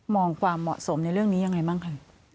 ความเหมาะสมในเรื่องนี้ยังไงบ้างคะ